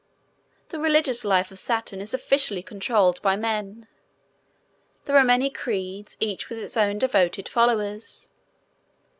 The religious life of Saturn is officially controlled by men. There are many creeds, each with its own devoted followers.